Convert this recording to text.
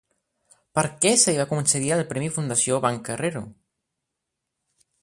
Per què se li va concedir el Premi Fundació Banc Herrero?